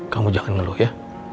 kamu jangan ngeluh ya